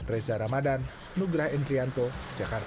reza ramadan nugraha entrianto jakarta